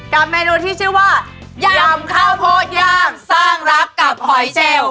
เมนูที่ชื่อว่ายำข้าวโพดย่างสร้างรักกับหอยเชล